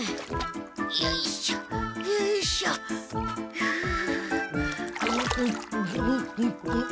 よいしょよいしょふう。